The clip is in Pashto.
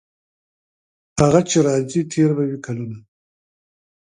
هغه چې راځي تیر به وي کلونه.